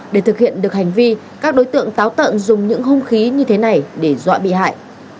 để thực hiện được hành vi các đối tượng táo tận dùng những hung khí như thế này để dọa bị hại